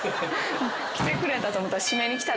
来てくれたと思ったら。